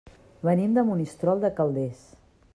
Venim de Monistrol de Calders.